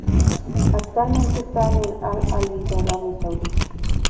Actualmente está en el Al-Ahli de Arabia Saudita.